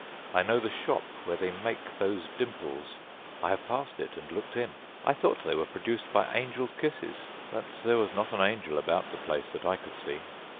I know the shop where they make those dimples; I have passed it and looked in. I thought they were produced by angelsâ kisses, but there was not an angel about the place, that I could see.